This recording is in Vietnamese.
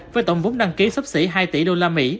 với tổng vũ đăng ký sấp xỉ hai tỷ usd